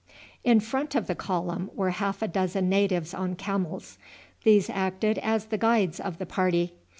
In front of the column were half a dozen natives on camels. These acted as the guides of the party.